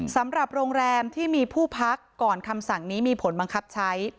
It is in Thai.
สำหรับโรงแรมที่มีผู้พักก่อนคำสั่งนี้มีผลบังคับใช้